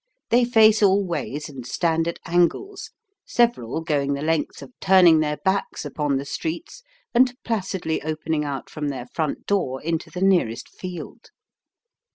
They face all ways, and stand at angles, several going the length of turning their backs upon the streets and placidly opening out from their front door into the nearest field.